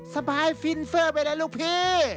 สบายฟินเฟอร์ไปเลยลูกพี่